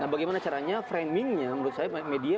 nah bagaimana caranya framingnya menurut saya media